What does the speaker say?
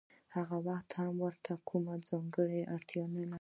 هغه وخت هم ورته کومه ځانګړې اړتیا نلري